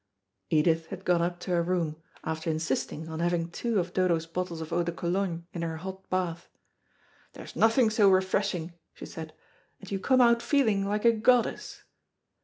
Edith had gone up to her room, after insisting on having two of Dodo's bottles of eau de cologne in her hot bath. "There is nothing so refreshing," she said, "and you come out feeling like a goddess."